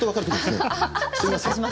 すいません。